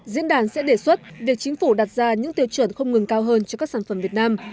diễn đàn sẽ đề xuất việc chính phủ đặt ra những tiêu chuẩn không ngừng cao hơn cho các sản phẩm việt nam